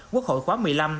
quốc hội khóa một mươi năm